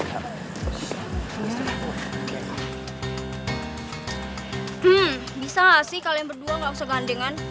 hmm bisa gak sih kalian berdua gak usah gandengan